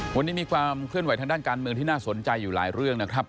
วันนี้มีความเคลื่อนไหทางด้านการเมืองที่น่าสนใจอยู่หลายเรื่องนะครับ